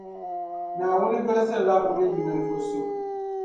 Naawuni dolsirila O ni yu ninvuɣu so.